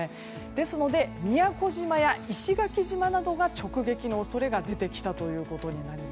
ですので、宮古島や石垣島などは直撃の恐れが出てきました。